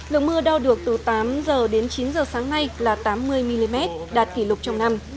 lượng mưa đo được từ tám giờ đến chín giờ sáng nay là tám mươi mm đạt kỷ lục trong năm